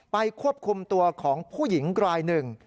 ควบคุมตัวของผู้หญิงรายหนึ่ง